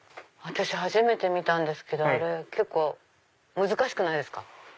私初めて見たんですけどあれ結構難しくないですか？